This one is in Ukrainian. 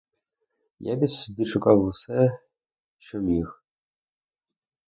Я відшукав усе, що міг.